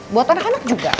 buat anak anak juga